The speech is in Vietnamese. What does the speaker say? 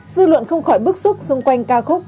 dư luận không khỏi bức xúc xung quanh ca khúc